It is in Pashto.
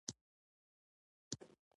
کوربه باید د میلمه د تلو وخت ته پام وکړي.